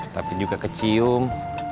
tapi juga kecium